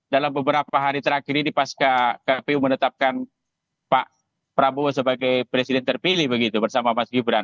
dalam beberapa hari terakhir ini pas kpu menetapkan pak prabowo sebagai presiden terpilih begitu bersama mas gibran